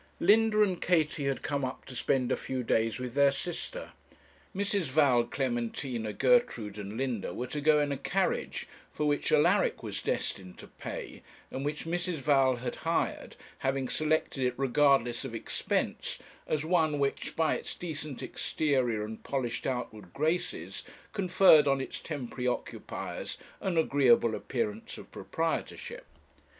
Linda and Katie had come up to spend a few days with their sister. Mrs. Val, Clementina, Gertrude, and Linda were to go in a carriage, for which Alaric was destined to pay, and which Mrs. Val had hired, having selected it regardless of expense, as one which, by its decent exterior and polished outward graces, conferred on its temporary occupiers an agreeable appearance of proprietorship.